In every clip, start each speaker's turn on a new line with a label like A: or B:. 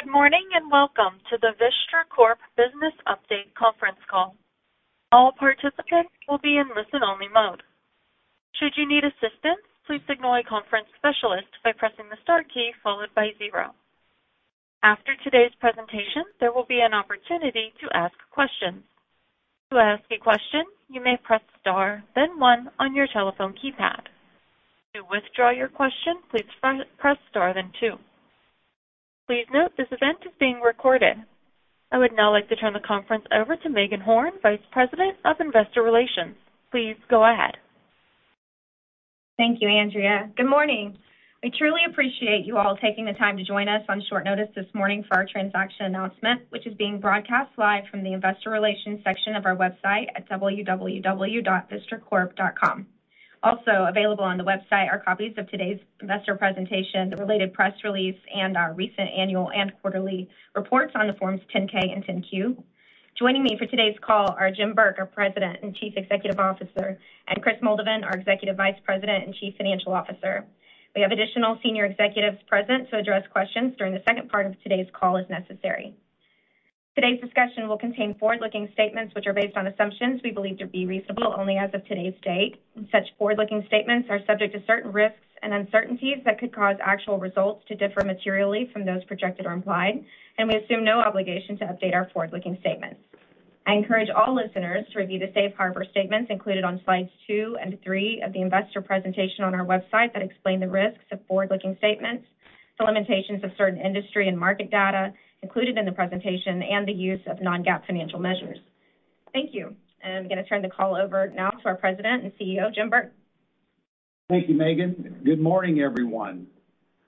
A: Good morning, welcome to the Vistra Corp. Business Update conference call. All participants will be in listen-only mode. Should you need assistance, please signal a conference specialist by pressing the star key followed by zero. After today's presentation, there will be an opportunity to ask questions. To ask a question, you may press star then one on your telephone keypad. To withdraw your question, please press star then two. Please note this event is being recorded. I would now like to turn the conference over to Meagan Horn, Vice President of Investor Relations. Please go ahead.
B: Thank you, Andrea. Good morning. We truly appreciate you all taking the time to join us on short notice this morning for our transaction announcement, which is being broadcast live from the Investor Relations section of our website at www.vistracorp.com. Also available on the website are copies of today's investor presentation, the related press release, and our recent annual and quarterly reports on the forms Form 10-K and Form 10-Q. Joining me for today's call are Jim Burke, our President and Chief Executive Officer; and Kris Moldovan, our Executive Vice President and Chief Financial Officer. We have additional senior executives present to address questions during the second part of today's call as necessary. Today's discussion will contain forward-looking statements which are based on assumptions we believe to be reasonable only as of today's date. Such forward-looking statements are subject to certain risks and uncertainties that could cause actual results to differ materially from those projected or implied, and we assume no obligation to update our forward-looking statements. I encourage all listeners to review the safe harbor statements included on slides two and three of the investor presentation on our website that explain the risks of forward-looking statements, the limitations of certain industry and market data included in the presentation, and the use of non-GAAP financial measures. Thank you. I'm gonna turn the call over now to our President and CEO, Jim Burke.
C: Thank you, Meagan. Good morning, everyone.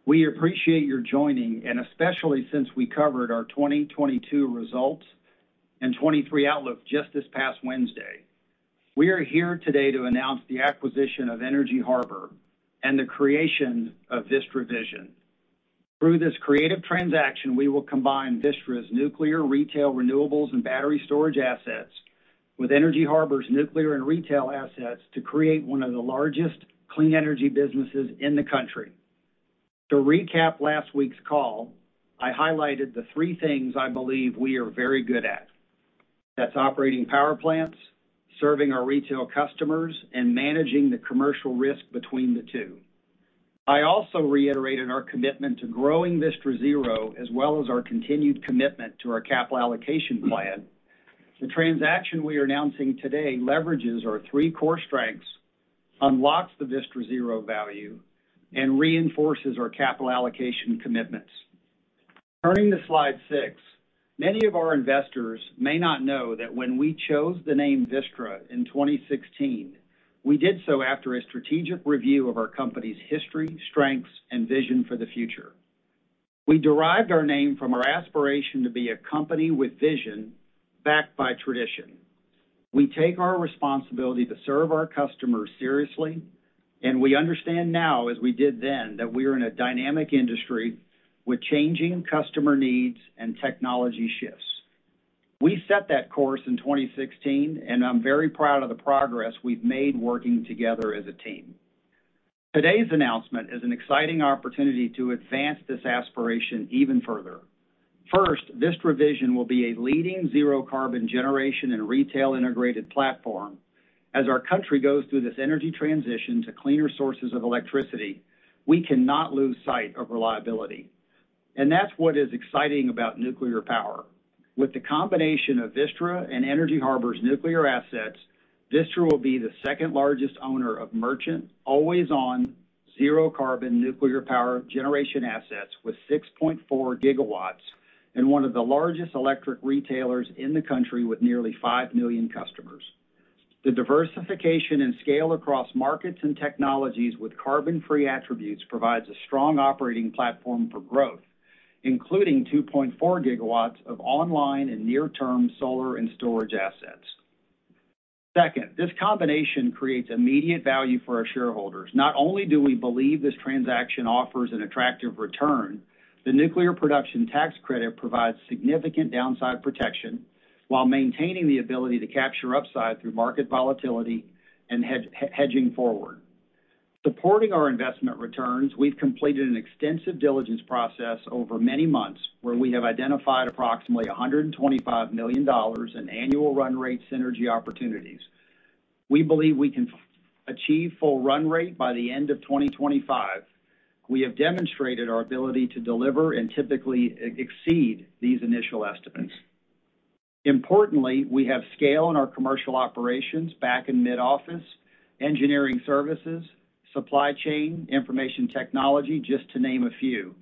C: We appreciate your joining and especially since we covered our 2022 results and 2023 outlook just this past Wednesday. We are here today to announce the acquisition of Energy Harbor and the creation of Vistra Vision. Through this creative transaction, we will combine Vistra's nuclear, retail, renewables, and battery storage assets with Energy Harbor's nuclear and retail assets to create one of the largest clean energy businesses in the country. To recap last week's call, I highlighted the three things I believe we are very good at. That's operating power plants, serving our retail customers, and managing the commercial risk between the two. I also reiterated our commitment to growing Vistra Zero, as well as our continued commitment to our capital allocation plan. The transaction we are announcing today leverages our three core strengths, unlocks the Vistra Zero value, and reinforces our capital allocation commitments. Turning to slide six, many of our investors may not know that when we chose the name Vistra in 2016, we did so after a strategic review of our company's history, strengths, and vision for the future. We derived our name from our aspiration to be a company with vision backed by tradition. We take our responsibility to serve our customers seriously, and we understand now, as we did then, that we are in a dynamic industry with changing customer needs and technology shifts. We set that course in 2016, and I'm very proud of the progress we've made working together as a team. Today's announcement is an exciting opportunity to advance this aspiration even further. First, Vistra Vision will be a leading zero carbon generation and retail integrated platform. As our country goes through this energy transition to cleaner sources of electricity, we cannot lose sight of reliability. That's what is exciting about nuclear power. With the combination of Vistra and Energy Harbor's nuclear assets, Vistra will be the second largest owner of merchant always on zero carbon nuclear power generation assets with 6.4 GW and one of the largest electric retailers in the country with nearly 5 million customers. The diversification and scale across markets and technologies with carbon-free attributes provides a strong operating platform for growth, including 2.4 GW of online and near-term solar and storage assets. Second, this combination creates immediate value for our shareholders. Not only do we believe this transaction offers an attractive return, the nuclear production tax credit provides significant downside protection while maintaining the ability to capture upside through market volatility and hedging forward. Supporting our investment returns, we've completed an extensive diligence process over many months where we have identified approximately $125 million in annual run rate synergy opportunities. We believe we can achieve full run rate by the end of 2025. We have demonstrated our ability to deliver and typically exceed these initial estimates. Importantly, we have scale in our commercial operations back in mid-office, engineering services, supply chain, information technology, just to name a few,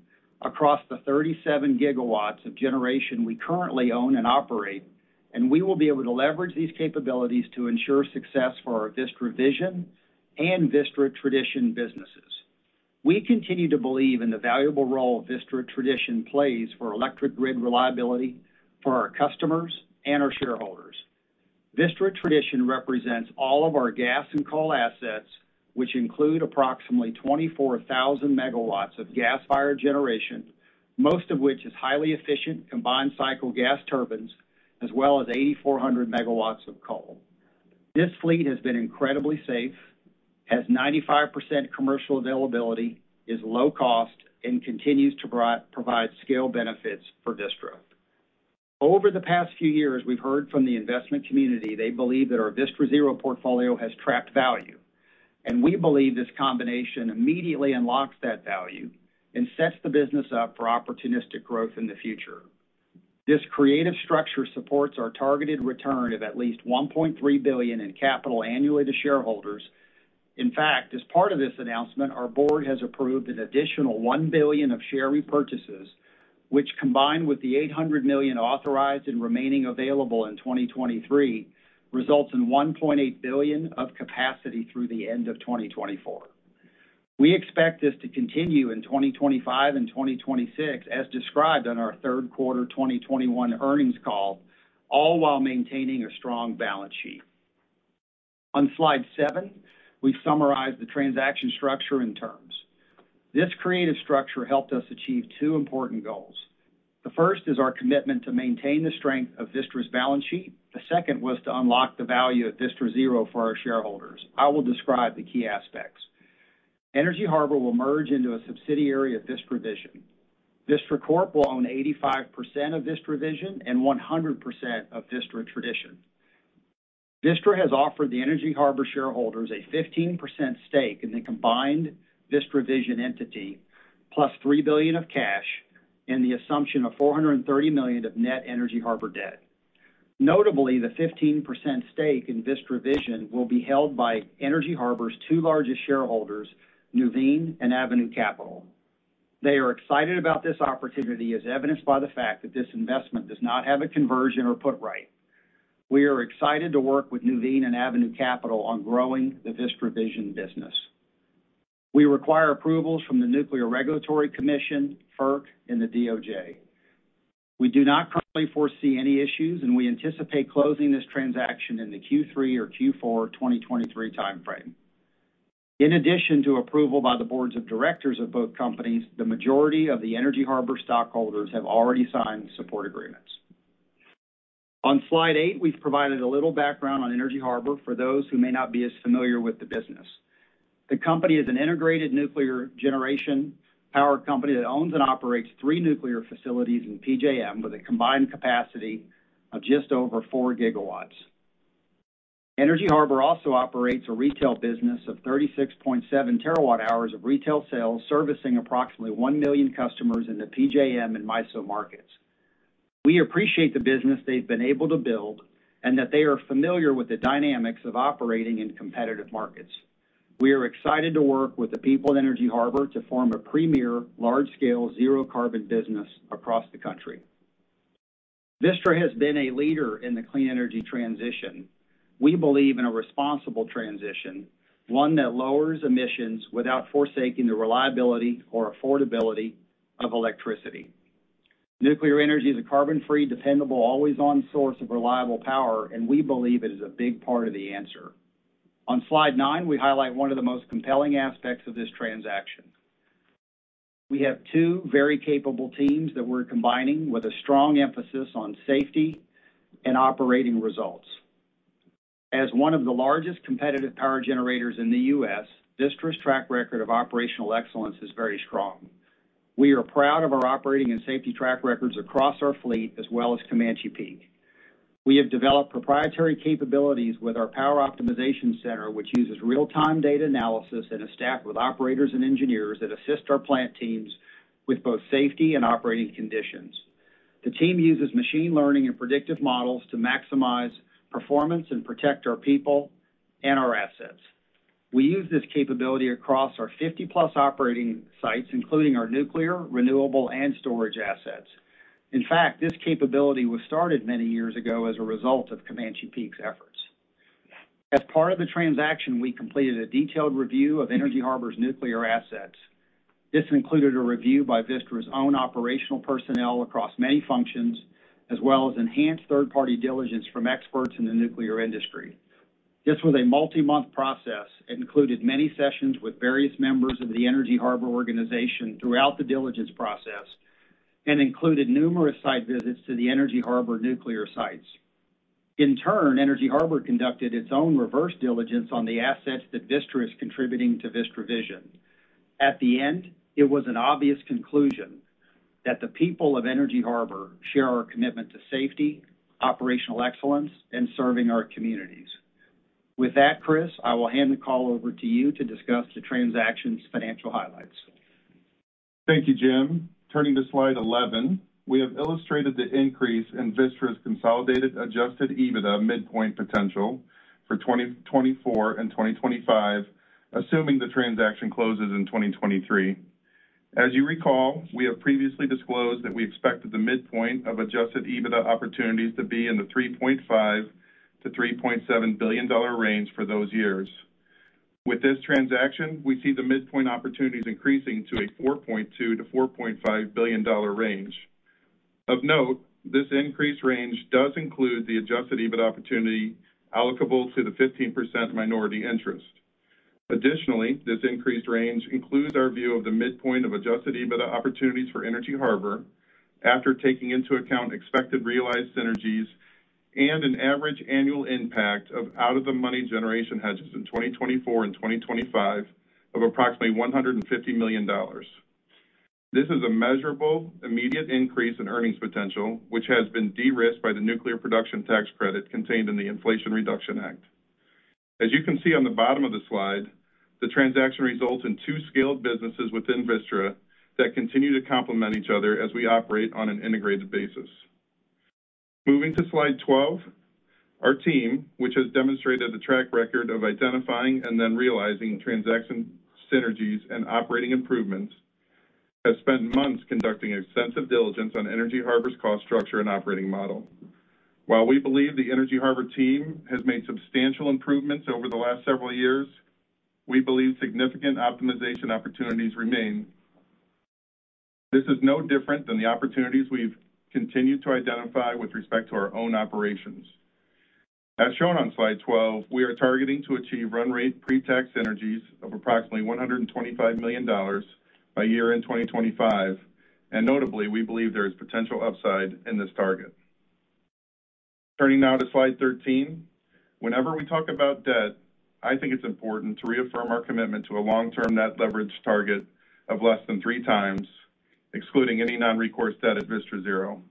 C: across the 37 GW of generation we currently own and operate, and we will be able to leverage these capabilities to ensure success for our Vistra Vision and Vistra Tradition businesses. We continue to believe in the valuable role Vistra Tradition plays for electric grid reliability for our customers and our shareholders. Vistra Tradition represents all of our gas and coal assets, which include approximately 24,000 MW of gas-fired generation, most of which is highly efficient combined-cycle gas turbines, as well as 8,400 MW of coal. This fleet has been incredibly safe, has 95% commercial availability, is low cost, and continues to provide scale benefits for Vistra. Over the past few years, we've heard from the investment community they believe that our Vistra Zero portfolio has trapped value, and we believe this combination immediately unlocks that value and sets the business up for opportunistic growth in the future. This creative structure supports our targeted return of at least $1.3 billion in capital annually to shareholders. In fact, as part of this announcement, our board has approved an additional $1 billion of share repurchases, which combined with the $800 million authorized and remaining available in 2023, results in $1.8 billion of capacity through the end of 2024. We expect this to continue in 2025 and 2026 as described on our third quarter 2021 earnings call, all while maintaining a strong balance sheet. On slide seven, we've summarized the transaction structure and terms. This creative structure helped us achieve two important goals. The first is our commitment to maintain the strength of Vistra's balance sheet. The second was to unlock the value of Vistra Zero for our shareholders. I will describe the key aspects. Energy Harbor will merge into a subsidiary of Vistra Vision. Vistra Corp will own 85% of Vistra Vision and 100% of Vistra Tradition. Vistra has offered the Energy Harbor shareholders a 15% stake in the combined Vistra Vision entity, $+3 billion of cash and the assumption of $430 million of net Energy Harbor debt. Notably, the 15% stake in Vistra Vision will be held by Energy Harbor's two largest shareholders, Nuveen and Avenue Capital. They are excited about this opportunity as evidenced by the fact that this investment does not have a conversion or put right. We are excited to work with Nuveen and Avenue Capital on growing the Vistra Vision business. We require approvals from the Nuclear Regulatory Commission, FERC, and the DOJ. We do not currently foresee any issues, and we anticipate closing this transaction in the Q3 or Q4 2023 timeframe. In addition to approval by the boards of directors of both companies, the majority of the Energy Harbor stockholders have already signed support agreements. On slide eight, we've provided a little background on Energy Harbor for those who may not be as familiar with the business. The company is an integrated nuclear generation power company that owns and operates three nuclear facilities in PJM with a combined capacity of just over 4 GW. Energy Harbor also operates a retail business of 36.7 TWh of retail sales, servicing approximately 1 million customers in the PJM and MISO markets. We appreciate the business they've been able to build and that they are familiar with the dynamics of operating in competitive markets. We are excited to work with the people at Energy Harbor to form a premier large-scale zero carbon business across the country. Vistra has been a leader in the clean energy transition. We believe in a responsible transition, one that lowers emissions without forsaking the reliability or affordability of electricity. Nuclear energy is a carbon-free, dependable, always-on source of reliable power, and we believe it is a big part of the answer. On slide nine, we highlight one of the most compelling aspects of this transaction. We have two very capable teams that we're combining with a strong emphasis on safety and operating results. As one of the largest competitive power generators in the U.S., Vistra's track record of operational excellence is very strong. We are proud of our operating and safety track records across our fleet, as well as Comanche Peak. We have developed proprietary capabilities with our power optimization center, which uses real-time data analysis and is staffed with operators and engineers that assist our plant teams with both safety and operating conditions. The team uses machine learning and predictive models to maximize performance and protect our people and our assets. We use this capability across our 50+ operating sites, including our nuclear, renewable, and storage assets. In fact, this capability was started many years ago as a result of Comanche Peak's efforts. As part of the transaction, we completed a detailed review of Energy Harbor's nuclear assets. This included a review by Vistra's own operational personnel across many functions, as well as enhanced third-party diligence from experts in the nuclear industry. This was a multi-month process. It included many sessions with various members of the Energy Harbor organization throughout the diligence process and included numerous site visits to the Energy Harbor nuclear sites. In turn, Energy Harbor conducted its own reverse diligence on the assets that Vistra is contributing to Vistra Vision. At the end, it was an obvious conclusion that the people of Energy Harbor share our commitment to safety, operational excellence, and serving our communities. With that, Kris, I will hand the call over to you to discuss the transaction's financial highlights.
D: Thank you, Jim. Turning to slide 11, we have illustrated the increase in Vistra's consolidated Adjusted EBITDA midpoint potential for 2024 and 2025, assuming the transaction closes in 2023. As you recall, we have previously disclosed that we expected the midpoint of Adjusted EBITDA opportunities to be in the $3.5 billion-$3.7 billion range for those years. With this transaction, we see the midpoint opportunities increasing to a $4.2 billion-$4.5 billion range. Of note, this increased range does include the Adjusted EBITDA opportunity allocable to the 15% minority interest. Additionally, this increased range includes our view of the midpoint of Adjusted EBITDA opportunities for Energy Harbor after taking into account expected realized synergies and an average annual impact of out of the money generation hedges in 2024 and 2025 of approximately $150 million. This is a measurable, immediate increase in earnings potential, which has been de-risked by the nuclear production tax credit contained in the Inflation Reduction Act. As you can see on the bottom of the slide, the transaction results in two scaled businesses within Vistra that continue to complement each other as we operate on an integrated basis. Moving to slide 12, our team, which has demonstrated a track record of identifying and then realizing transaction synergies and operating improvements, has spent months conducting extensive diligence on Energy Harbor's cost structure and operating model. While we believe the Energy Harbor team has made substantial improvements over the last several years, we believe significant optimization opportunities remain. This is no different than the opportunities we've continued to identify with respect to our own operations. As shown on slide 12, we are targeting to achieve run rate pre-tax synergies of approximately $125 million by year-end 2025. Notably, we believe there is potential upside in this target. Turning now to slide 13. Whenever we talk about debt, I think it's important to reaffirm our commitment to a long-term net leverage target of less than 3x, excluding any non-recourse debt at Vistra Zero.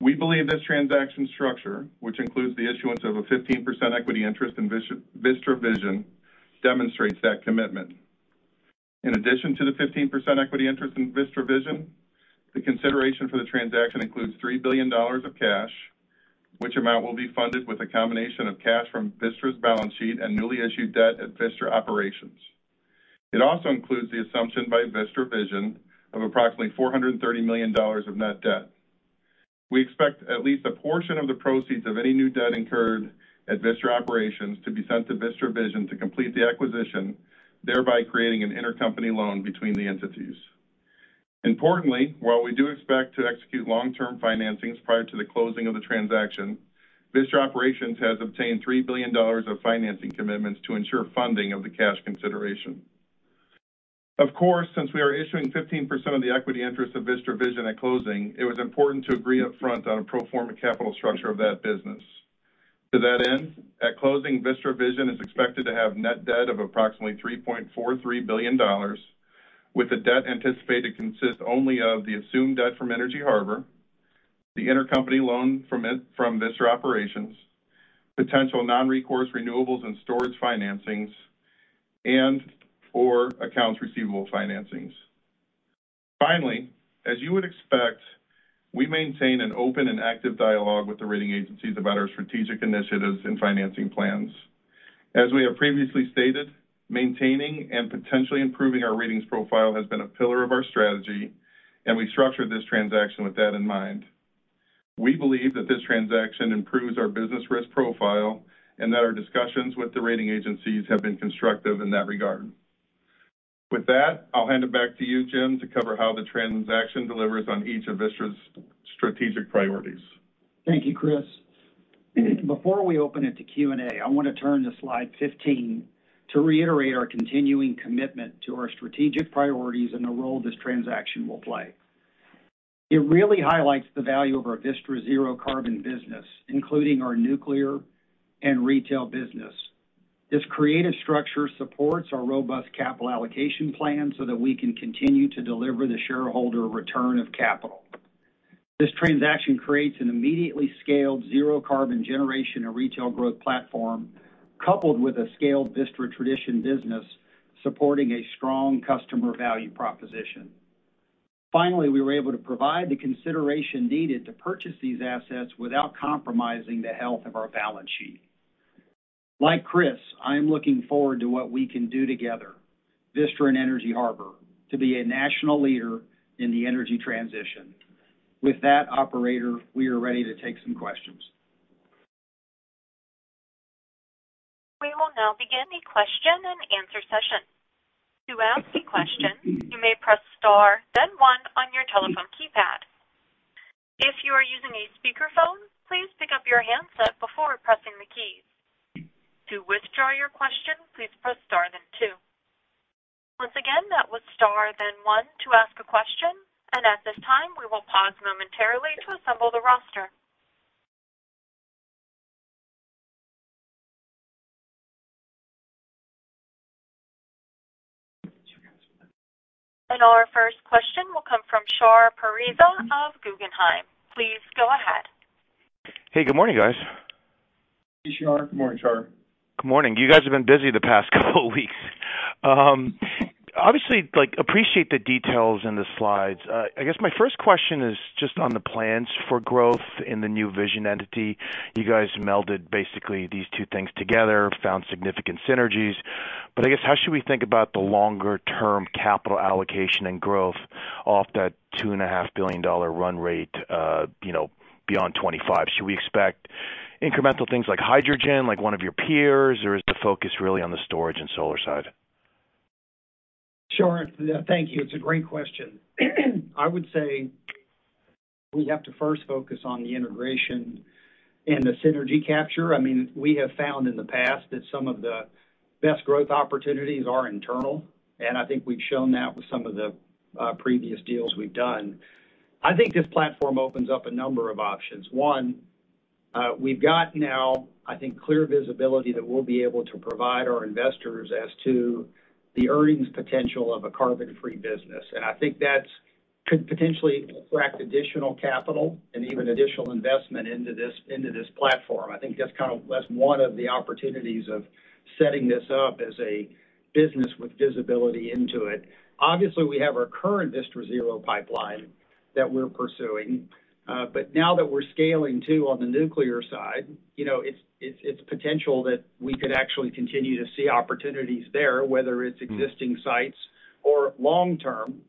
D: We believe this transaction structure, which includes the issuance of a 15% equity interest in Vistra Vision, demonstrates that commitment. In addition to the 15% equity interest in Vistra Vision, the consideration for the transaction includes $3 billion of cash, which amount will be funded with a combination of cash from Vistra's balance sheet and newly issued debt at Vistra Operations. It also includes the assumption by Vistra Vision of approximately $430 million of net debt. We expect at least a portion of the proceeds of any new debt incurred at Vistra Operations to be sent to Vistra Vision to complete the acquisition, thereby creating an intercompany loan between the entities. Importantly, while we do expect to execute long-term financings prior to the closing of the transaction, Vistra Operations has obtained $3 billion of financing commitments to ensure funding of the cash consideration. Of course, since we are issuing 15% of the equity interest of Vistra Vision at closing, it was important to agree upfront on a pro forma capital structure of that business. To that end, at closing, Vistra Vision is expected to have net debt of approximately $3.43 billion, with the debt anticipated to consist only of the assumed debt from Energy Harbor, the intercompany loan from it, from Vistra Operations, potential non-recourse renewables and storage financings, and/or accounts receivable financings. Finally, as you would expect, we maintain an open and active dialogue with the rating agencies about our strategic initiatives and financing plans. As we have previously stated, maintaining and potentially improving our ratings profile has been a pillar of our strategy, and we structured this transaction with that in mind. We believe that this transaction improves our business risk profile and that our discussions with the rating agencies have been constructive in that regard. With that, I'll hand it back to you, Jim, to cover how the transaction delivers on each of Vistra's strategic priorities.
C: Thank you, Kris. Before we open it to Q&A, I wanna turn to slide 15 to reiterate our continuing commitment to our strategic priorities and the role this transaction will play. It really highlights the value of our Vistra Zero carbon business, including our nuclear and retail business. This creative structure supports our robust capital allocation plan so that we can continue to deliver the shareholder return of capital. This transaction creates an immediately scaled zero carbon generation and retail growth platform, coupled with a scaled Vistra Tradition business supporting a strong customer value proposition. Finally, we were able to provide the consideration needed to purchase these assets without compromising the health of our balance sheet. Like Kris, I am looking forward to what we can do together, Vistra and Energy Harbor, to be a national leader in the energy transition. With that, operator, we are ready to take some questions.
A: We will now begin the question and answer session. To ask a question, you may press star then one on your telephone keypad. If you are using a speakerphone, please pick up your handset before pressing the keys. To withdraw your question, please press star then two. Once again, that was star then one to ask a question. At this time, we will pause momentarily to assemble the roster. Our first question will come from Shar Pourreza of Guggenheim. Please go ahead.
E: Hey, good morning, guys.
C: Hey, Shar.
D: Good morning, Shar.
E: Good morning. You guys have been busy the past couple weeks. Obviously, like, appreciate the details in the slides. I guess my first question is just on the plans for growth in the new Vision entity. You guys melded basically these two things together, found significant synergies. I guess, how should we think about the longer-term capital allocation and growth off that $2.5 billion run rate, you know, beyond 2025? Should we expect incremental things like hydrogen, like one of your peers? Is the focus really on the storage and solar side?
C: Sure. Thank you. It's a great question. I would say we have to first focus on the integration and the synergy capture. I mean, we have found in the past that some of the best growth opportunities are internal, and I think we've shown that with some of the previous deals we've done. I think this platform opens up a number of options. One, we've got now, I think, clear visibility that we'll be able to provide our investors as to the earnings potential of a carbon-free business. I think that's could potentially attract additional capital and even additional investment into this, into this platform. I think that's one of the opportunities of setting this up as a business with visibility into it. Obviously, we have our current Vistra Zero pipeline that we're pursuing. Now that we're scaling too on the nuclear side, you know, it's potential that we could actually continue to see opportunities there, whether it's existing sites or long-term.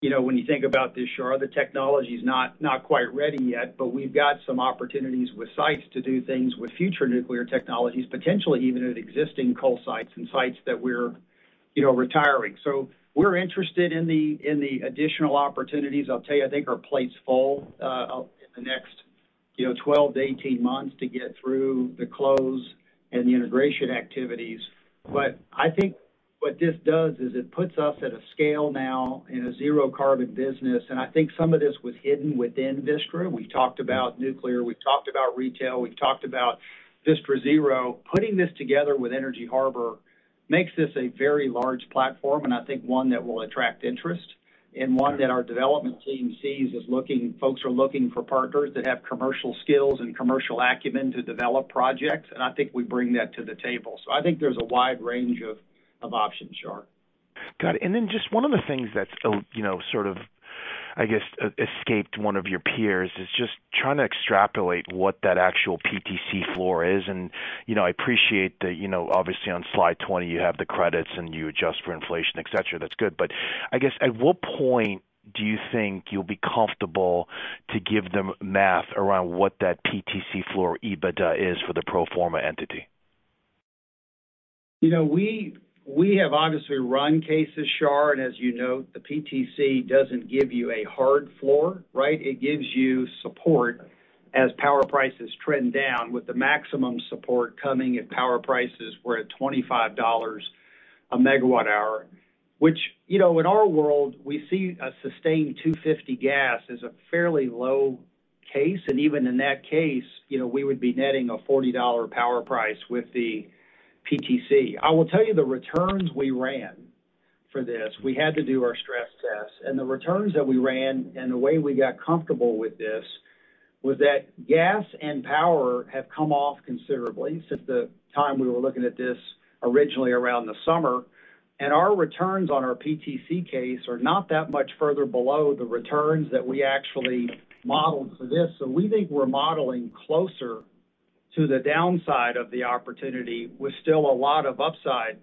C: You know, when you think about this, Shar, the technology is not quite ready yet, but we've got some opportunities with sites to do things with future nuclear technologies, potentially even at existing coal sites and sites that we're, you know, retiring. We're interested in the, in the additional opportunities. I'll tell you, I think our plate's full, the next, you know, 12-18 months to get through the close and the integration activities. I think what this does is it puts us at a scale now in a zero carbon business, and I think some of this was hidden within Vistra. We talked about nuclear, we've talked about retail, we've talked about Vistra Zero. Putting this together with Energy Harbor makes this a very large platform, and I think one that will attract interest and one that our development team sees as folks are looking for partners that have commercial skills and commercial acumen to develop projects, and I think we bring that to the table. I think there's a wide range of options, Shar.
E: Just one of the things that's, you know, sort of, I guess, escaped one of your peers is just trying to extrapolate what that actual PTC floor is. You know, I appreciate that, you know, obviously on slide 20, you have the credits and you adjust for inflation, et cetera. That's good. I guess, at what point do you think you'll be comfortable to give them math around what that PTC floor EBITDA is for the pro forma entity?
C: You know, we have obviously run cases, Shar, As you know, the PTC doesn't give you a hard floor, right? It gives you support as power prices trend down with the maximum support coming if power prices were at $25 a megawatt hour, which, you know, in our world, we see a sustained $2.50 gas is a fairly low case. Even in that case, you know, we would be netting a $40 power price with the PTC. I will tell you the returns we ran for this, we had to do our stress test. The returns that we ran and the way we got comfortable with this was that gas and power have come off considerably since the time we were looking at this originally around the summer. Our returns on our PTC case are not that much further below the returns that we actually modeled for this. We think we're modeling closer to the downside of the opportunity with still a lot of upside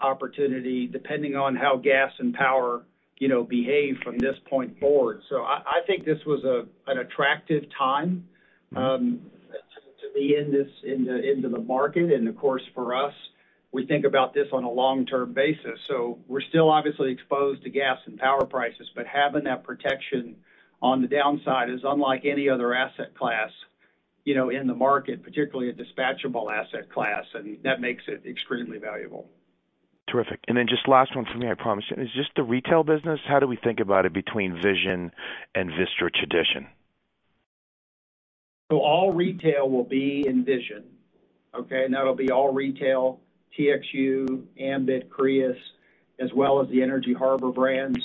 C: opportunity, depending on how gas and power, you know, behave from this point forward. I think this was an attractive time to be into the market. Of course, for us, we think about this on a long-term basis. We're still obviously exposed to gas and power prices, but having that protection on the downside is unlike any other asset class, you know, in the market, particularly a dispatchable asset class, and that makes it extremely valuable.
E: Terrific. Just last one for me, I promise. Is this the retail business? How do we think about it between Vision and Vistra Tradition?
C: All retail will be in Vistra Vision. Okay? That'll be all retail, TXU, Ambit, Crius, as well as the Energy Harbor brands.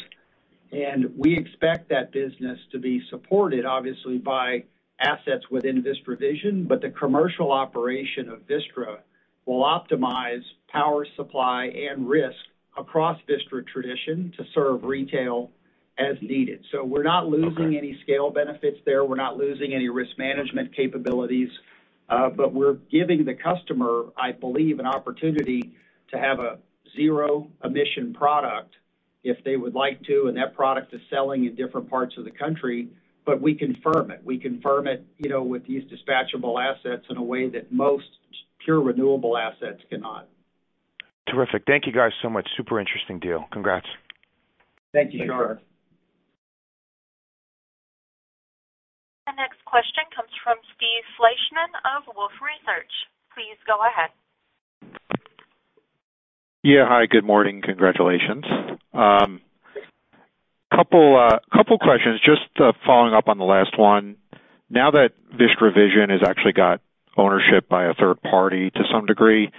C: We expect that business to be supported obviously by assets within Vistra Vision. The commercial operation of Vistra will optimize power supply and risk across Vistra Tradition to serve retail as needed. We're not losing any scale benefits there. We're not losing any risk management capabilities. We're giving the customer, I believe, an opportunity to have a zero-emission product if they would like to, and that product is selling in different parts of the country. We confirm it. We confirm it, you know, with these dispatchable assets in a way that most pure renewable assets cannot.
E: Terrific. Thank you guys so much. Super interesting deal. Congrats.
C: Thank you, Shar.
A: The next question comes from Steve Fleishman of Wolfe Research. Please go ahead.
F: Hi, good morning. Congratulations. Couple, couple questions. Just following up on the last one. Now that Vistra Vision has actually got ownership by a third party to some degree,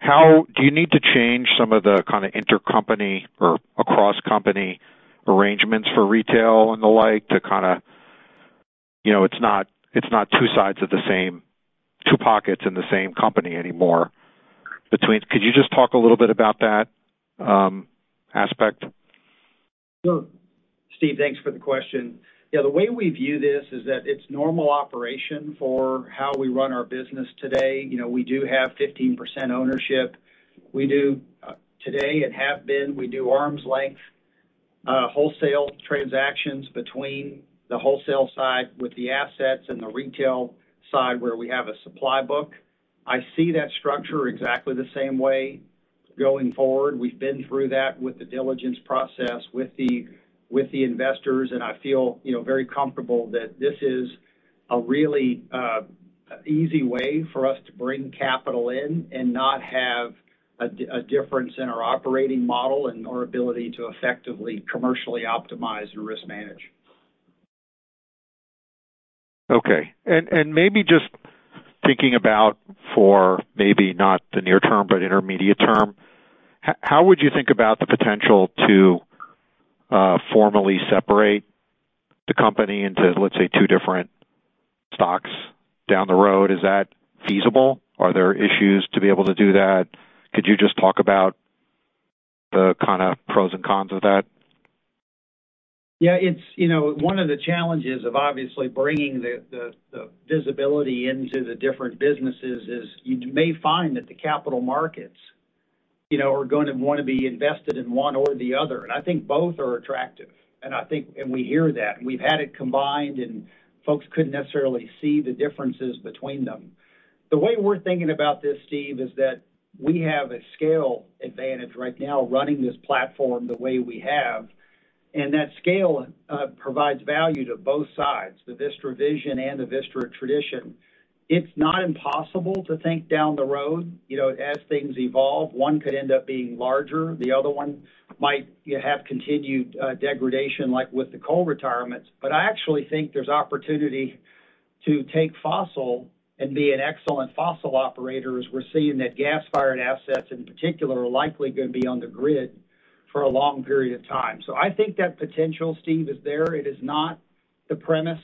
F: do you need to change some of the kind of intercompany or across company arrangements for retail and the like to kinda, you know, it's not two pockets in the same company anymore between? Could you just talk a little bit about that aspect?
C: Sure. Steve, thanks for the question. The way we view this is that it's normal operation for how we run our business today. You know, we do have 15% ownership. We do today and have been, we do arm's length wholesale transactions between the wholesale side with the assets and the retail side where we have a supply book. I see that structure exactly the same way going forward. We've been through that with the diligence process with the, with the investors, and I feel, you know, very comfortable that this is a really easy way for us to bring capital in and not have a difference in our operating model and our ability to effectively commercially optimize and risk manage.
F: Okay. Maybe just thinking about for maybe not the near term, but intermediate term, how would you think about the potential to formally separate the company into, let's say, two different stocks down the road? Is that feasible? Are there issues to be able to do that? Could you just talk about the kind of pros and cons of that?
C: Yeah, it's, you know, one of the challenges of obviously bringing the visibility into the different businesses is you may find that the capital markets, you know, are gonna wanna be invested in one or the other, and I think both are attractive. We hear that. We've had it combined, folks couldn't necessarily see the differences between them. The way we're thinking about this, Steve, is that we have a scale advantage right now running this platform the way we have. That scale provides value to both sides, the Vistra Vision and the Vistra Tradition. It's not impossible to think down the road, you know, as things evolve, one could end up being larger, the other one might, you have continued degradation, like with the coal retirements. I actually think there's opportunity to take fossil and be an excellent fossil operator, as we're seeing that gas-fired assets, in particular, are likely gonna be on the grid for a long period of time. I think that potential, Steve, is there. It is not the premise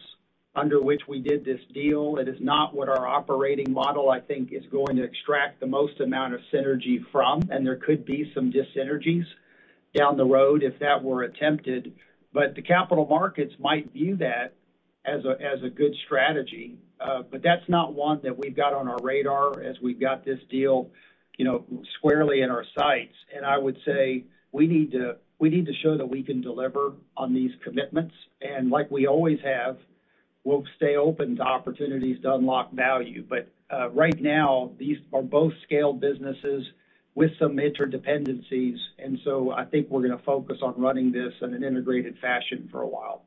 C: under which we did this deal. It is not what our operating model, I think, is going to extract the most amount of synergy from, and there could be some dis-synergies down the road if that were attempted. The capital markets might view that as a, as a good strategy. That's not one that we've got on our radar as we've got this deal, you know, squarely in our sights. I would say, we need to show that we can deliver on these commitments. Like we always have, we'll stay open to opportunities to unlock value. Right now, these are both scaled businesses with some interdependencies. I think we're gonna focus on running this in an integrated fashion for a while.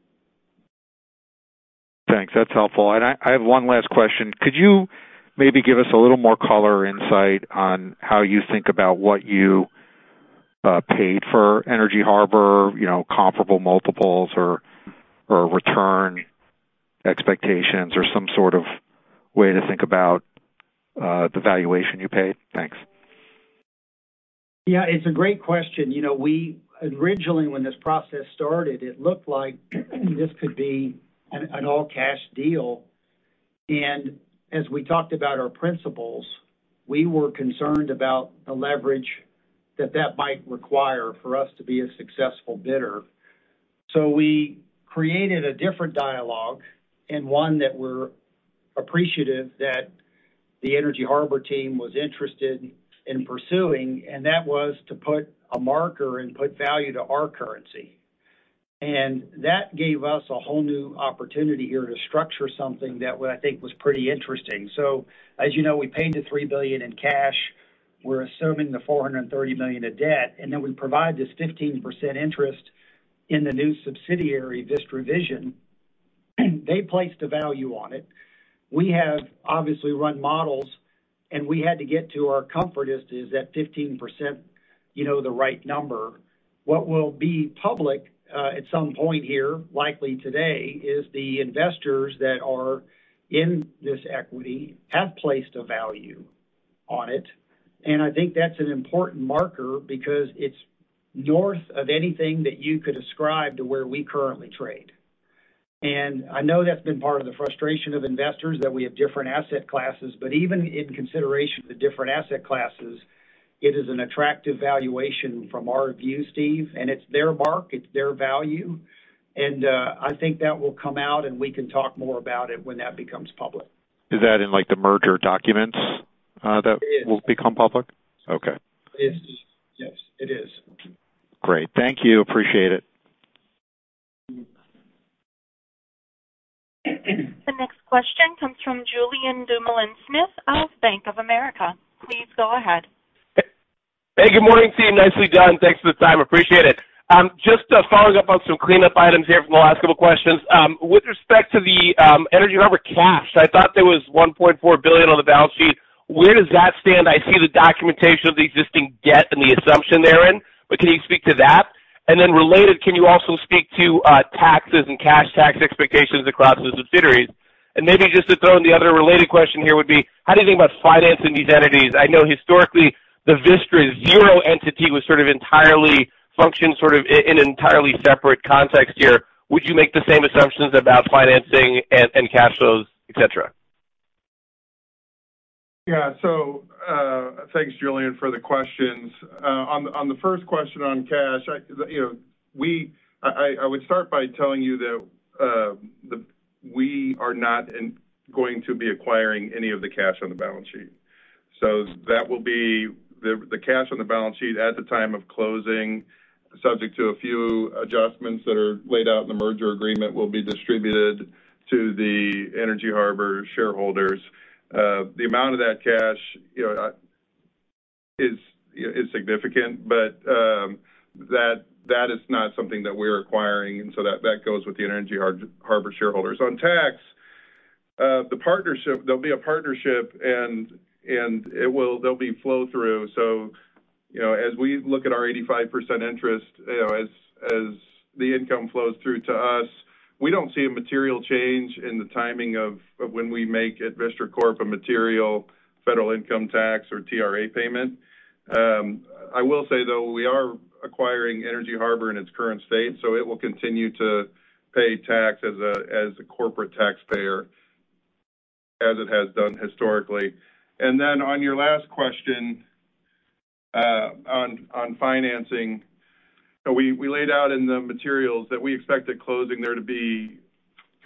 F: Thanks. That's helpful. I have one last question. Could you maybe give us a little more color or insight on how you think about what you paid for Energy Harbor, you know, comparable multiples or return expectations or some sort of way to think about the valuation you paid? Thanks.
C: Yeah. It's a great question. You know, originally when this process started, it looked like this could be an all cash deal. As we talked about our principles, we were concerned about the leverage that might require for us to be a successful bidder. We created a different dialogue and one that we're appreciative that the Energy Harbor team was interested in pursuing, and that was to put a marker and put value to our currency. That gave us a whole new opportunity here to structure something that I think was pretty interesting. As you know, we paid the $3 billion in cash. We're assuming the $430 million of debt, and then we provide this 15% interest in the new subsidiary, Vistra Vision. They placed a value on it. We have obviously run models, and we had to get to our comfort is that 15%, you know, the right number. What will be public at some point here, likely today, is the investors that are in this equity have placed a value on it. I think that's an important marker because it's north of anything that you could ascribe to where we currently trade. I know that's been part of the frustration of investors, that we have different asset classes. Even in consideration of the different asset classes, it is an attractive valuation from our view, Steve. It's their mark, it's their value. I think that will come out, and we can talk more about it when that becomes public.
F: Is that in, like, the merger documents?
C: It is.
F: Will become public? Okay.
C: Yes, it is.
F: Great. Thank you. Appreciate it.
A: The next question comes from Julien Dumoulin-Smith of Bank of America. Please go ahead.
G: Hey. Good morning, team. Nicely done. Thanks for the time. Appreciate it. just following up on some cleanup items here from the last couple questions. with respect to the Energy Harbor cash, I thought there was $1.4 billion on the balance sheet. Where does that stand? I see the documentation of the existing debt and the assumption therein, but can you speak to that? Related, can you also speak to taxes and cash tax expectations across the subsidiaries? Maybe just to throw in the other related question here would be, how do you think about financing these entities? I know historically, the Vistra Zero entity was sort of entirely functioned sort of in an entirely separate context here. Would you make the same assumptions about financing and cash flows, et cetera?
D: Thanks, Julien, for the questions. On the first question on cash, I, you know, I would start by telling you that. We are not going to be acquiring any of the cash on the balance sheet. That will be the cash on the balance sheet at the time of closing, subject to a few adjustments that are laid out in the merger agreement, will be distributed to the Energy Harbor shareholders. The amount of that cash, you know, is significant, but that is not something that we're acquiring, and so that goes with the Energy Harbor shareholders. On tax, the partnership there'll be a partnership and there'll be flow through. You know, as we look at our 85% interest, you know, as the income flows through to us, we don't see a material change in the timing of when we make at Vistra Corp a material federal income tax or TRA payment. I will say, though, we are acquiring Energy Harbor in its current state, so it will continue to pay tax as a corporate taxpayer, as it has done historically. Then on your last question, on financing. We laid out in the materials that we expect at closing there to be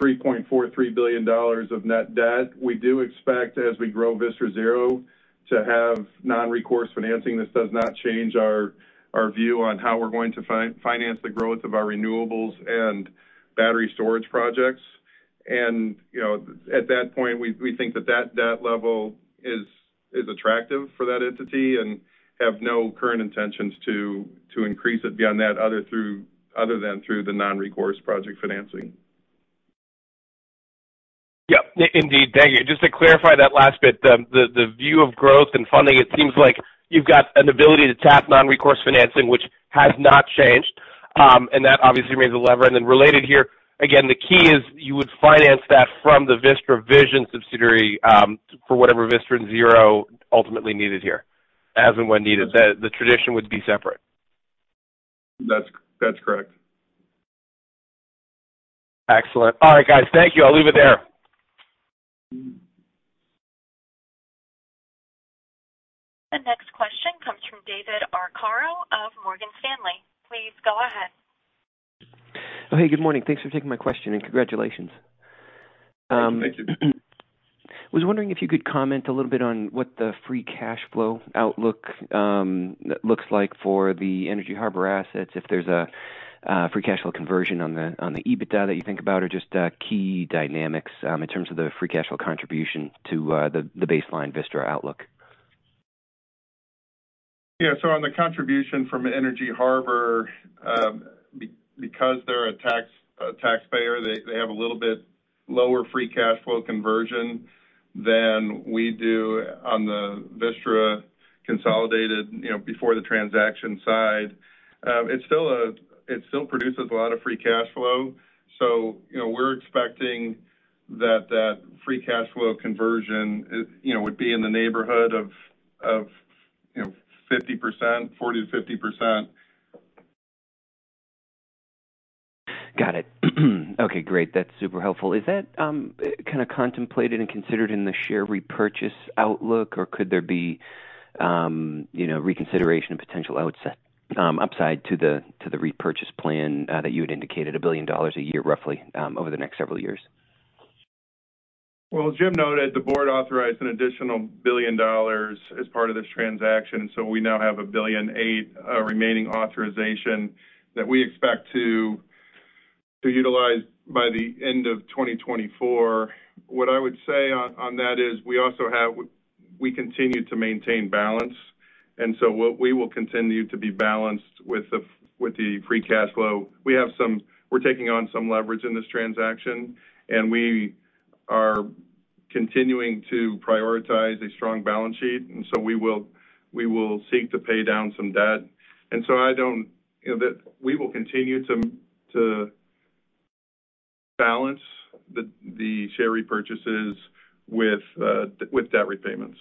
D: $3.43 billion of net debt. We do expect, as we grow Vistra Zero, to have non-recourse financing. This does not change our view on how we're going to finance the growth of our renewables and battery storage projects. You know, at that point, we think that that debt level is attractive for that entity and have no current intentions to increase it beyond that other than through the non-recourse project financing.
G: Yeah, indeed. Thank you. Just to clarify that last bit, the view of growth and funding, it seems like you've got an ability to tap non-recourse financing, which has not changed, and that obviously remains a lever. Related here, again, the key is you would finance that from the Vistra Vision subsidiary, for whatever Vistra Zero ultimately needed here, as and when needed. The Vistra Tradition would be separate.
D: That's correct.
G: Excellent. All right, guys, thank you. I'll leave it there.
A: The next question comes from David Arcaro of Morgan Stanley. Please go ahead.
H: Oh, hey, good morning. Thanks for taking my question, and congratulations.
D: Thank you.
H: Was wondering if you could comment a little bit on what the free cash flow outlook looks like for the Energy Harbor assets, if there's a free cash flow conversion on the EBITDA that you think about, or just key dynamics in terms of the free cash flow contribution to the baseline Vistra outlook?
D: Yeah. On the contribution from Energy Harbor, because they're a taxpayer, they have a little bit lower free cash flow conversion than we do on the Vistra consolidated, you know, before the transaction side. It still produces a lot of free cash flow. You know, we're expecting that that free cash flow conversion, you know, would be in the neighborhood of, you know, 50%, 40%-50%.
H: Got it. Okay, great. That's super helpful. Is that, kinda contemplated and considered in the share repurchase outlook, or could there be, you know, reconsideration of potential upside to the repurchase plan, that you had indicated $1 billion a year roughly, over the next several years?
D: As Jim noted, the board authorized an additional $1 billion as part of this transaction, so we now have $1.8 billion remaining authorization that we expect to utilize by the end of 2024. What I would say on that is we continue to maintain balance, and so we will continue to be balanced with the free cash flow. We're taking on some leverage in this transaction, and we are continuing to prioritize a strong balance sheet, and so we will seek to pay down some debt. I don't, you know, we will continue to balance the share repurchases with debt repayments.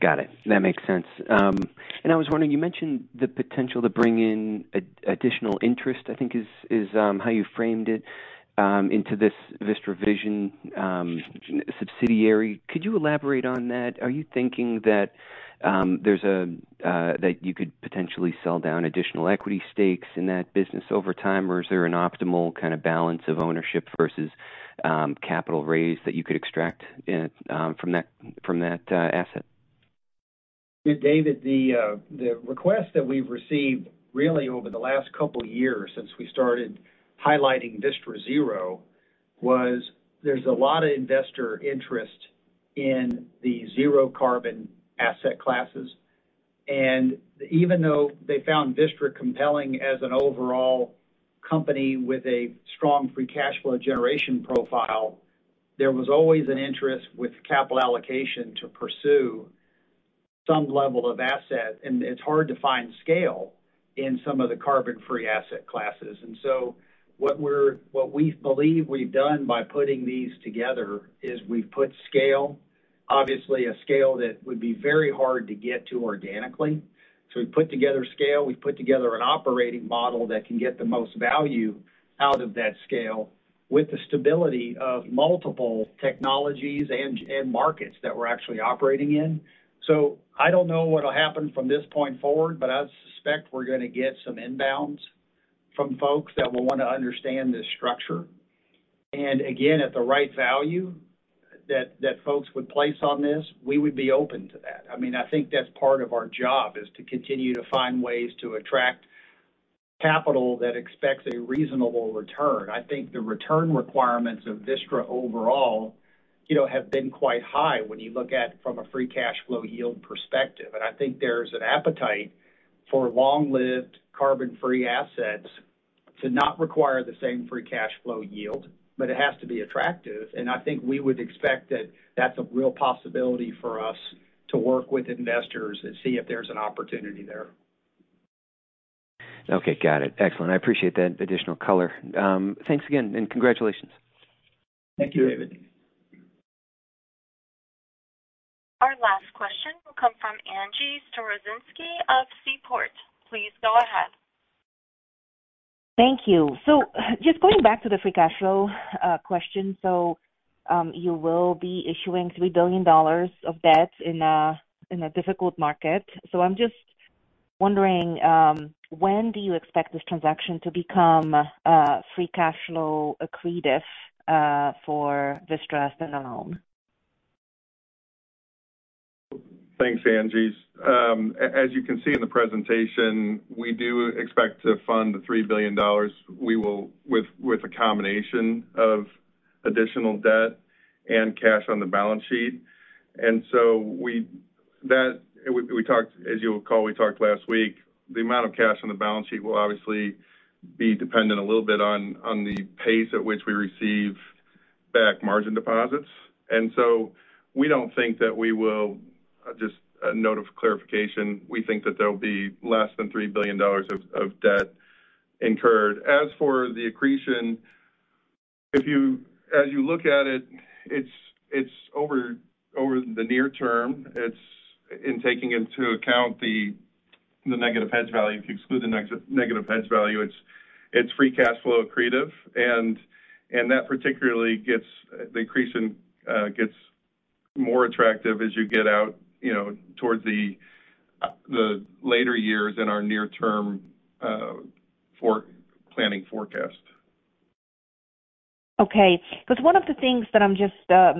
H: Got it. That makes sense. I was wondering, you mentioned the potential to bring in additional interest, I think is, how you framed it, into this Vistra Vision subsidiary. Could you elaborate on that? Are you thinking that, there's a, that you could potentially sell down additional equity stakes in that business over time, or is there an optimal kind of balance of ownership versus, capital raised that you could extract, from that asset?
C: David, the request that we've received really over the last couple years since we started highlighting Vistra Zero was there's a lot of investor interest in the zero carbon asset classes. Even though they found Vistra compelling as an overall company with a strong free cash flow generation profile, there was always an interest with capital allocation to pursue some level of asset, and it's hard to find scale in some of the carbon-free asset classes. What we believe we've done by putting these together is we've put scale, obviously a scale that would be very hard to get to organically. We've put together scale. We've put together an operating model that can get the most value out of that scale with the stability of multiple technologies and markets that we're actually operating in. I don't know what'll happen from this point forward, but I suspect we're gonna get some inbounds from folks that will wanna understand this structure. Again, at the right value that folks would place on this, we would be open to that. I mean, I think that's part of our job, is to continue to find ways to attract capital that expects a reasonable return. I think the return requirements of Vistra overall, you know, have been quite high when you look at from a free cash flow yield perspective. I think there's an appetite for long-lived carbon-free assets to not require the same free cash flow yield, but it has to be attractive. I think we would expect that that's a real possibility for us to work with investors and see if there's an opportunity there.
H: Okay, got it. Excellent. I appreciate that additional color. Thanks again, and congratulations.
C: Thank you, David.
A: Our last question will come from Angie Storozynski of Seaport. Please go ahead.
I: Thank you. Just going back to the free cash flow, question. You will be issuing $3 billion of debt in a difficult market. I'm just wondering, when do you expect this transaction to become, free cash flow accretive, for Vistra stand-alone?
D: Thanks, Angie. As you can see in the presentation, we do expect to fund the $3 billion. With a combination of additional debt and cash on the balance sheet. As you'll recall, we talked last week. The amount of cash on the balance sheet will obviously be dependent a little bit on the pace at which we receive back margin deposits. We don't think that we will. Just a note of clarification, we think that there'll be less than $3 billion of debt incurred. As for the accretion, as you look at it's over the near term. It's in taking into account the negative hedge value. If you exclude the negative hedge value, it's free cash flow accretive. That particularly gets the accretion, gets more attractive as you get out, you know, towards the later years in our near-term, for-planning forecast.
I: 'Cause one of the things that I'm just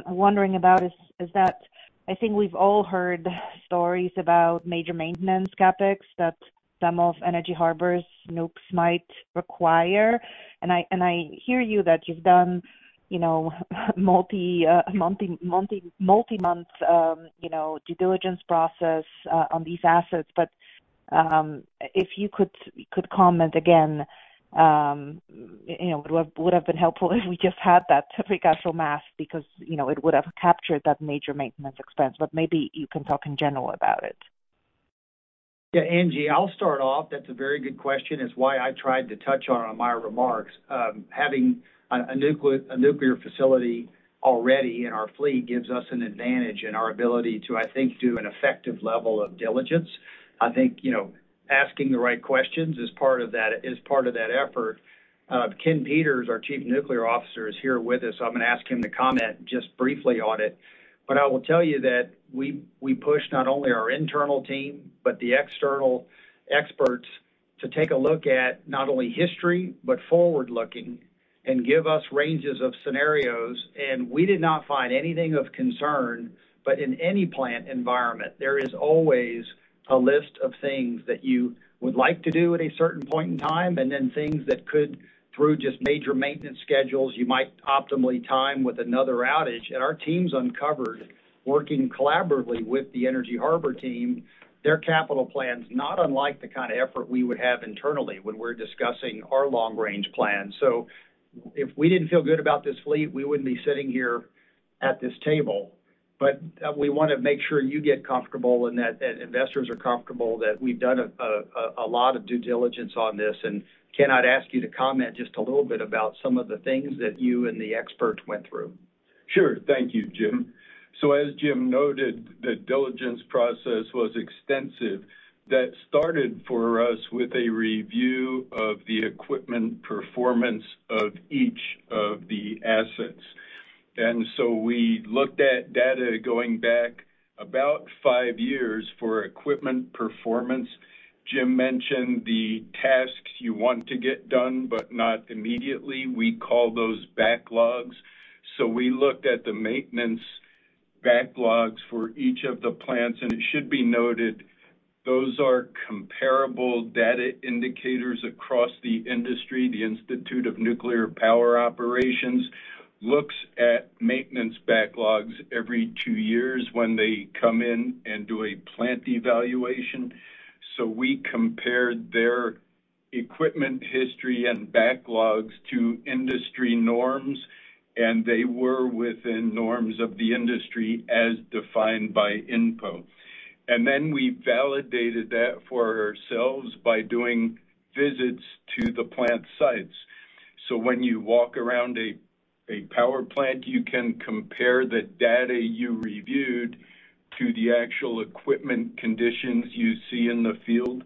I: wondering about is that I think we've all heard stories about major maintenance CapEx that some of Energy Harbor's nukes might require. I hear you that you've done, you know, multi-month, you know, due diligence process on these assets. If you could comment again, you know, would have been helpful if we just had that free cash flow math because, you know, it would have captured that major maintenance expense, but maybe you can talk in general about it.
C: Yeah. Angie, I'll start off. That's a very good question. It's why I tried to touch on my remarks. Having a nuclear facility already in our fleet gives us an advantage in our ability to, I think, do an effective level of diligence. I think, you know, asking the right questions is part of that effort. Ken Peters, our chief nuclear officer, is here with us, so I'm gonna ask him to comment just briefly on it. I will tell you that we push not only our internal team but the external experts to take a look at not only history but forward-looking and give us ranges of scenarios. We did not find anything of concern. In any plant environment, there is always a list of things that you would like to do at a certain point in time, and then things that could, through just major maintenance schedules, you might optimally time with another outage. Our teams uncovered, working collaboratively with the Energy Harbor team, their capital plans, not unlike the kind of effort we would have internally when we're discussing our long-range plan. If we didn't feel good about this fleet, we wouldn't be sitting here at this table. We want to make sure you get comfortable and that investors are comfortable that we've done a lot of due diligence on this. Ken, I'd ask you to comment just a little bit about some of the things that you and the experts went through.
J: Sure. Thank you, Jim. As Jim noted, the diligence process was extensive. That started for us with a review of the equipment performance of each of the assets. We looked at data going back about five years for equipment performance. Jim mentioned the tasks you want to get done, but not immediately. We call those backlogs. We looked at the maintenance backlogs for each of the plants, and it should be noted, those are comparable data indicators across the industry. The Institute of Nuclear Power Operations looks at maintenance backlogs every two years when they come in and do a plant evaluation. We compared their equipment history and backlogs to industry norms, and they were within norms of the industry as defined by INPO. Then we validated that for ourselves by doing visits to the plant sites. When you walk around a power plant, you can compare the data you reviewed to the actual equipment conditions you see in the field.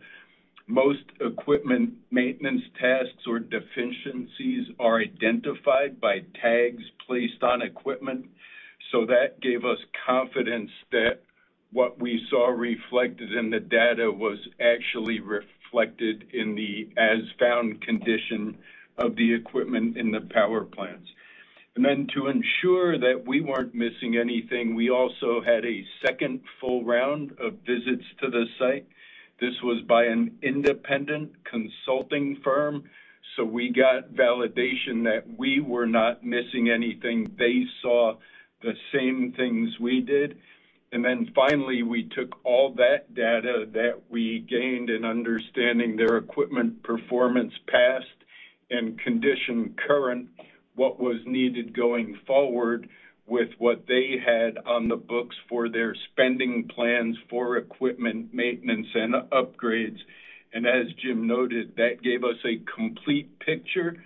J: Most equipment maintenance tasks or deficiencies are identified by tags placed on equipment. That gave us confidence that what we saw reflected in the data was actually reflected in the as-found condition of the equipment in the power plants. Then to ensure that we weren't missing anything, we also had a second full round of visits to the site. This was by an independent consulting firm, so we got validation that we were not missing anything. They saw the same things we did. Finally, we took all that data that we gained in understanding their equipment performance past and condition current, what was needed going forward with what they had on the books for their spending plans for equipment maintenance and upgrades. As Jim noted, that gave us a complete picture.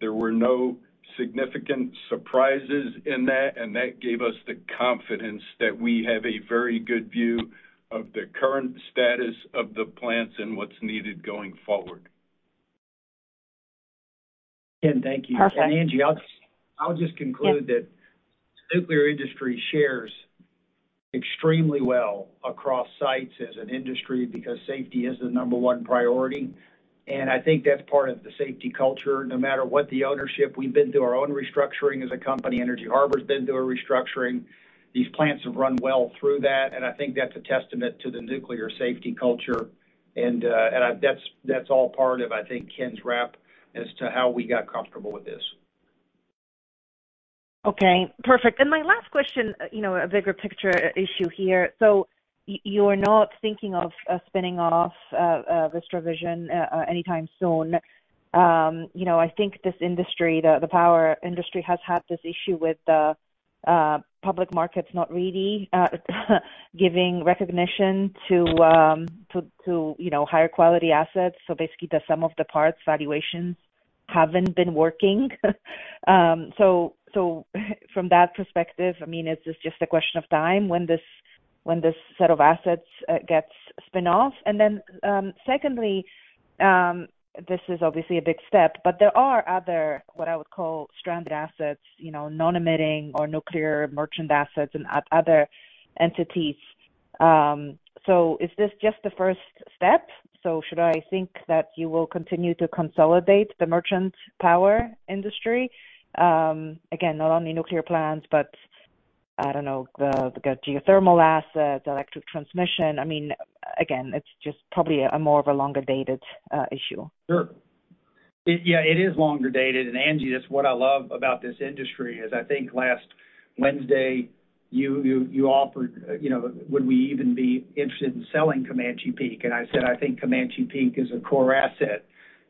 J: There were no significant surprises in that, and that gave us the confidence that we have a very good view of the current status of the plants and what's needed going forward.
C: Ken, thank you.
I: Perfect.
C: Angie, I'll just.
I: Yeah.
C: That nuclear industry shares extremely well across sites as an industry because safety is the number one priority. I think that's part of the safety culture. No matter what the ownership, we've been through our own restructuring as a company. Energy Harbor's been through a restructuring. These plants have run well through that, I think that's a testament to the nuclear safety culture. I that's all part of, I think, Ken's rep as to how we got comfortable with this.
I: Okay, perfect. My last question, you know, a bigger picture issue here. You're not thinking of spinning off Vistra Vision anytime soon. You know, I think this industry, the power industry has had this issue with the public markets not really giving recognition to, you know, higher quality assets. Basically, the sum of the parts valuations haven't been working. From that perspective, I mean, is this just a question of time when this set of assets gets spin-off? Secondly, this is obviously a big step, but there are other, what I would call stranded assets, you know, non-emitting or nuclear merchant assets and other entities. Is this just the first step? Should I think that you will continue to consolidate the merchant power industry? Again, not only nuclear plants, but, I don't know, the geothermal assets, electric transmission. I mean, again, it's just probably a more of a longer-dated issue.
C: Sure. Yeah, it is longer dated. Angie, that's what I love about this industry is I think last Wednesday you offered, you know, would we even be interested in selling Comanche Peak? I said, I think Comanche Peak is a core asset.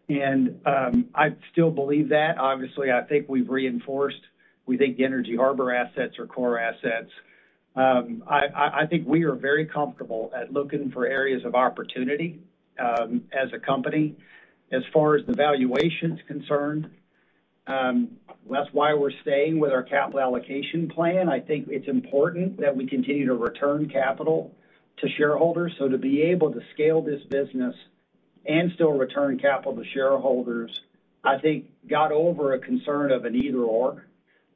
C: I still believe that. Obviously, I think we've reinforced. We think the Energy Harbor assets are core assets. I think we are very comfortable at looking for areas of opportunity as a company. As far as the valuation's concerned, that's why we're staying with our capital allocation plan. I think it's important that we continue to return capital to shareholders. To be able to scale this business and still return capital to shareholders, I think got over a concern of an either/or.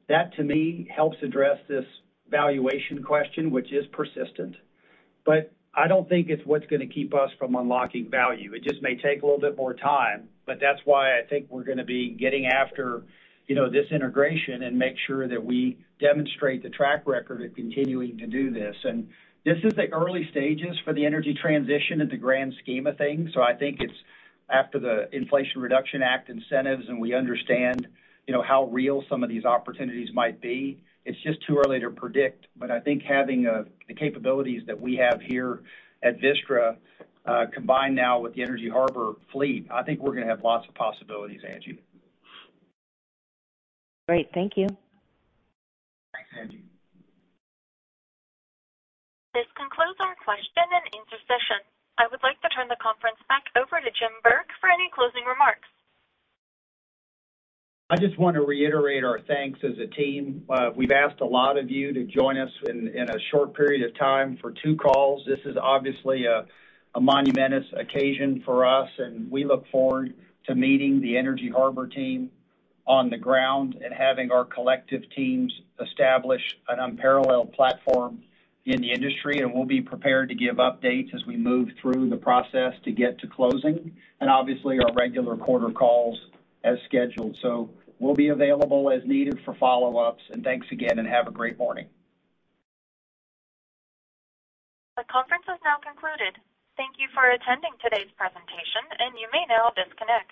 C: That, to me, helps address this valuation question, which is persistent. I don't think it's what's gonna keep us from unlocking value. It just may take a little bit more time, but that's why I think we're gonna be getting after, you know, this integration and make sure that we demonstrate the track record of continuing to do this. This is the early stages for the energy transition in the grand scheme of things. I think it's after the Inflation Reduction Act incentives, and we understand, you know, how real some of these opportunities might be. It's just too early to predict. I think having the capabilities that we have here at Vistra, combined now with the Energy Harbor fleet, I think we're gonna have lots of possibilities, Angie.
I: Great. Thank you.
C: Thanks, Angie.
A: This concludes our question and answer session. I would like to turn the conference back over to Jim Burke for any closing remarks.
C: I just want to reiterate our thanks as a team. We've asked a lot of you to join us in a short period of time for two calls. This is obviously a momentous occasion for us, and we look forward to meeting the Energy Harbor team on the ground and having our collective teams establish an unparalleled platform in the industry. We'll be prepared to give updates as we move through the process to get to closing. Obviously, our regular quarter calls as scheduled. We'll be available as needed for follow-ups. Thanks again, and have a great morning.
A: The conference has now concluded. Thank you for attending today's presentation. You may now disconnect.